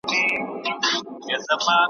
اوس هغه شیخان په ښکلیو کي لوبیږي ,